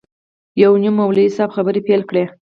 یو نیمه مولوي صاحب خبرې پیل کړې.